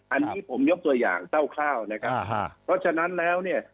อันนี้ผมยกตัวอย่างคร่าวนะครับเพราะฉะนั้นแล้วเนี่ย